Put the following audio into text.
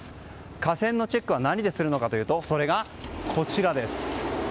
架線のチェックは何でするかというとそれが、こちらです。